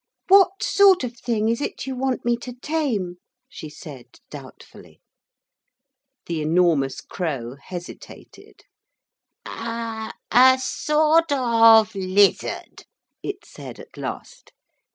'What sort of thing is it you want me to tame?' she said doubtfully. The enormous crow hesitated. 'A a sort of lizard,' it said at last.